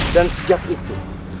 dan sejak itu